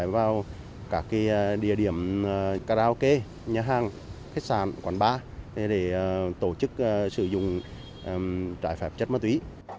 vào các địa điểm karaoke nhà hàng khách sạn quán bar để tổ chức sử dụng trái phép chất ma túy